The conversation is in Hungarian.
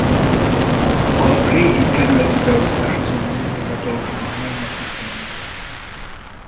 A régi kerületi beosztás azonban nem hivatalosan a mai napig fennmaradt.